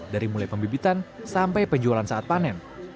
dari mulai pembibitan sampai penjualan saat panen